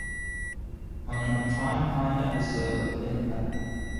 On a prime time episode of Impact!